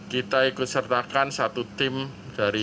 kita ikut sertakan satu tim dari